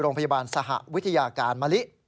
โรงพยาบาลสหวิทยาการมะลิ